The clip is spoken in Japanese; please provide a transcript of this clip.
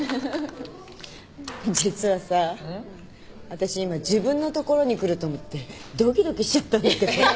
私今自分のところに来ると思ってドキドキしちゃったんだけど。